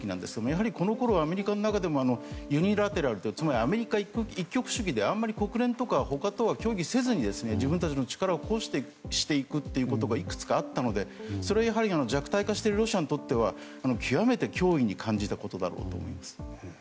やはりこのころアメリカの中でもユニラテラルつまりアメリカ一極主義で国連とか他と協議せずに自分たちの力を行使していくことがいくつかあったので、それは弱体化しているロシアにとっては極めて脅威に感じたことだろうと思います。